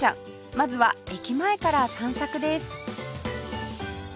まずは駅前から散策です